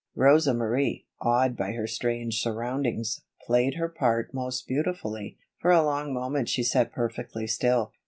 Rosa Marie, awed by her strange surroundings, played her part most beautifully. For a long moment she sat perfectly still.